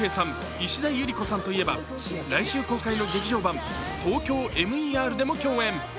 石田ゆり子さんといえば来週公開の劇場版「ＴＯＫＹＯＭＥＲ」でも共演。